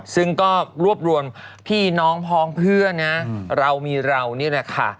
ซึ่งก็รวบรวมพี่น้องพร้อมเพื่อนนะเรามีเรานี่แหละค่ะ